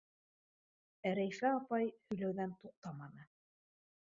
Ә Рәйфә апай һөйләүҙән туҡтаманы: